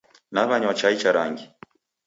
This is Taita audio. Naw'anywa chai cha rangi.